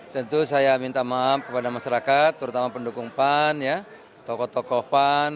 tentu saya minta maaf kepada masyarakat terutama pendukung pan tokoh tokoh pan